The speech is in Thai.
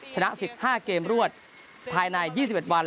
ชนะ๑๕เกมรวดภายใน๒๑วัน